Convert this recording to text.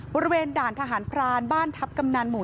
บริเวณด่านทหารพรานบ้านทัพกำนันหมู่๔